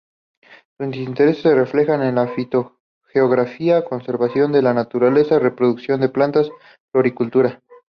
Sus intereses se reflejan en Fitogeografía, Conservación de la Naturaleza, Reproducción de plantas, Floricultura.